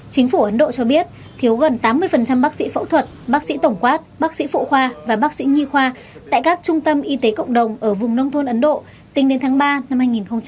chính phủ ấn độ cho biết thiếu gần tám mươi bác sĩ phẫu thuật bác sĩ tổng quát bác sĩ phụ khoa và bác sĩ nhi khoa tại các trung tâm y tế cộng đồng ở vùng nông thôn ấn độ tính đến tháng ba năm hai nghìn một mươi chín